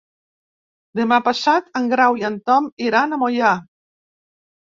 Demà passat en Grau i en Tom iran a Moià.